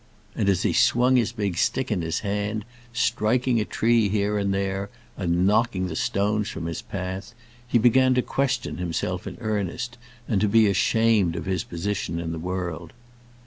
And as he swung his big stick in his hand, striking a tree here and there, and knocking the stones from his path, he began to question himself in earnest, and to be ashamed of his position in the world.